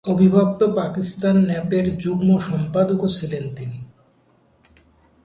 অবিভক্ত পাকিস্তান ন্যাপের যুগ্ম সম্পাদকও ছিলেন তিনি।